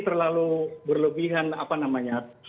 terlalu berlebihan apa namanya